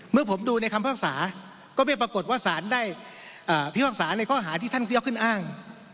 เมื่อผมดูในคำพิพากษาก็ไม่ปรากฏว่าสารได้พิพากษาในข้อหาที่ท่านก็ยกขึ้นอ้าง